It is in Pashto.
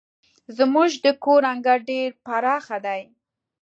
زموږ د کور انګړ ډير پراخه دی.